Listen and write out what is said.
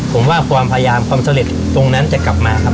ผมว่าความพยายามความสำเร็จตรงนั้นจะกลับมาครับ